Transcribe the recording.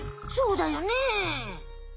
そうだよね。